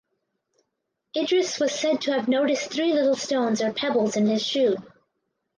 Idris was said to have noticed three little stones or pebbles in his shoe.